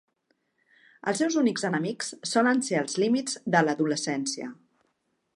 Els seus únics enemics solen ser els límits de l'adolescència.